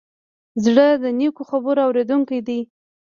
زړه د نیکو خبرو اورېدونکی دی.